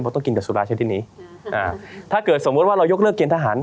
เพราะต้องกินกับสุราชนิดนี้อ่าถ้าเกิดสมมุติว่าเรายกเลิกเกณฑหาร